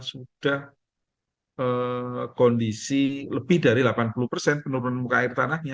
sudah kondisi lebih dari delapan puluh persen penurunan muka air tanahnya